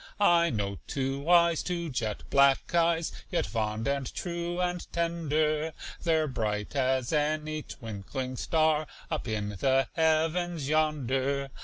I know two eyes two jet black eyes, Yet fond and true and tender; They're bright as any twinkling star Up in the heavens yonder.